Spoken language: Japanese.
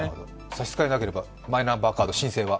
差し支えなければ、マイナンバーカード申請は？